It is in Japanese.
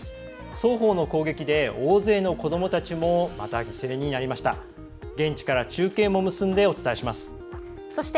双方の攻撃で大勢の子どもたちもまた犠牲になりました。